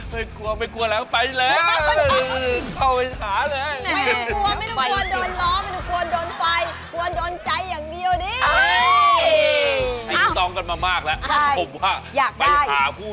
เพราะเรามีแต่คุณคนเดียวนั่นแหละไม่กลัวดู